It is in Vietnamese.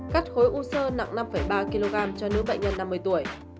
cắt khối u sơ nặng năm ba kg cho nữ bệnh nhân năm mươi tuổi